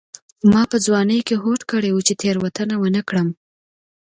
ما په ځوانۍ کې هوډ کړی و چې تېروتنه ونه کړم.